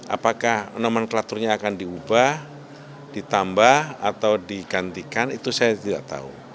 apakah nomenklaturnya akan diubah ditambah atau digantikan itu saya tidak tahu